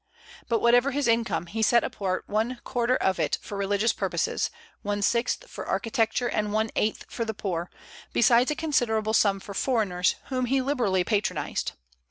But whatever his income, he set apart one quarter of it for religious purposes, one sixth for architecture, and one eighth for the poor, besides a considerable sum for foreigners, whom he liberally patronized.